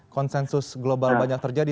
konsensus global banyak terjadi